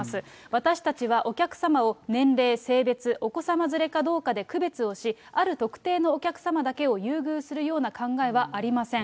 私たちはお客様を年齢、性別、お子様連れかどうかで区別をし、ある特定のお客様だけを優遇するような考えはありません。